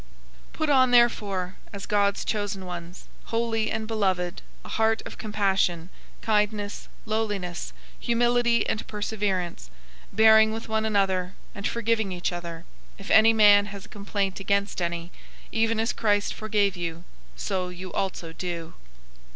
003:012 Put on therefore, as God's chosen ones, holy and beloved, a heart of compassion, kindness, lowliness, humility, and perseverance; 003:013 bearing with one another, and forgiving each other, if any man has a complaint against any; even as Christ forgave you, so you also do.